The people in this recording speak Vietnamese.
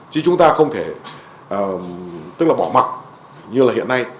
chứ chúng ta không thể tức là bỏ mặt như là hiện nay